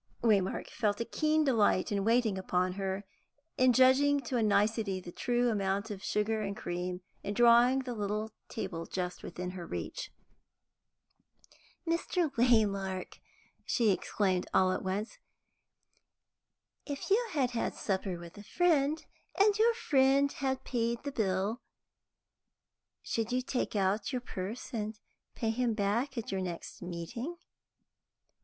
Waymark felt a keen delight in waiting upon her, in judging to a nicety the true amount of sugar and cream, in drawing the little table just within her reach. "Mr. Waymark," she exclaimed, all at once, "if you had had supper with a friend, and your friend had paid the bill, should you take out your purse and pay him back at your next meeting?"